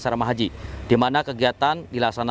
petugas gabungan juga menyiapkan pengamanan di asrama